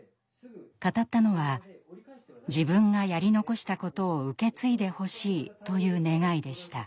語ったのは自分がやり残したことを受け継いでほしいという願いでした。